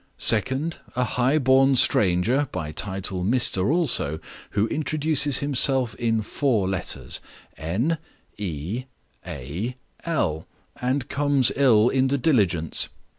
Second, a high born stranger (by title Mister also), who introduces himself in four letters N, e, a, l and comes ill in the diligence.